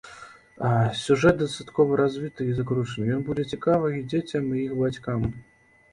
Сюжэт дастаткова развіты і закручаны, ён будзе цікавы і дзецям, і іх бацькам.